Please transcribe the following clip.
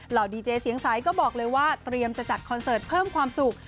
ดีเจเสียงใสก็บอกเลยว่าเตรียมจะจัดคอนเสิร์ตเพิ่มความสุข